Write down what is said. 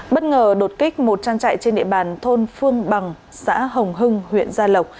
bất ngờ đột kích một trang trại trên địa bàn thôn phương bằng xã hồng hưng huyện gia lộc